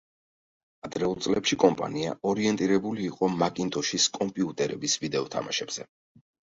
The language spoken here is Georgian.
ადრეულ წლებში კომპანია ორიენტირებული იყო მაკინტოშის კომპიუტერების ვიდეო თამაშებზე.